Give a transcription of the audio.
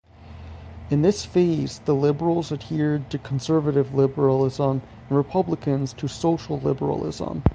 In this phase the Liberals adhered to conservative liberalism and Republicans to social liberalism.